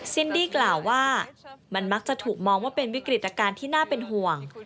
ซินดี้กล่าวว่ามันมักจะถูกมองว่าเป็นวิกฤตการณ์ที่น่าเป็นห่วง